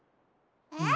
えっ？